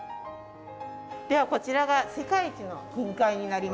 ではこちらが世界一の金塊になりますね。